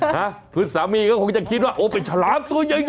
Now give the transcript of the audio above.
นะคุณสามีก็คงจะคิดว่าโอ้เป็นฉลามตัวใหญ่